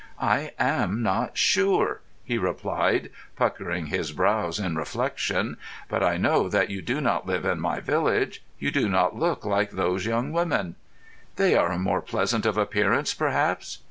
"I am not sure," he replied, puckering his brows in reflection. "But I know that you do not live in my village. You do not look like those young women." "They are more pleasant of appearance, perhaps?"